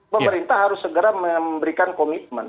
pemerintah harus segera memberikan komitmen